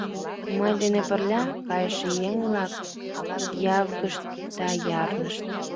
Мый денем пырля кайыше еҥ-влак явыгышт да ярнышт.